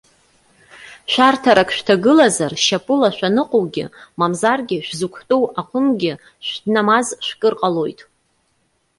Шәарҭарак шәҭагылазар, шьапыла шәаныҟоугьы, мамзаргьы шәзықәтәоу аҟынгьы шәнамаз шәкыр ҟалоит.